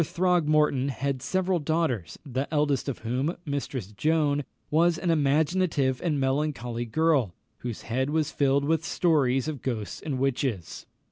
Throgmorton had several daughters, the eldest of whom, Mistress Joan, was an imaginative and melancholy girl, whose head was filled with stories of ghosts and witches.